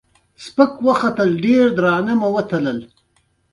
دا لښکر ایستل د لویدیځ په لور وو چې بریالیتوبونه یې ترلاسه کړل.